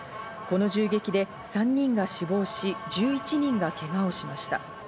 この銃撃で３人が死亡し、１１人がけがをしました。